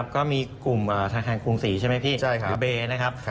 ก็มีกลุ่มธนาคารกรุงศรีใช่ไหมพี่หรือเบย์นะครับ